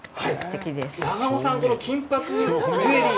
長尾さん金ぱくジュエリー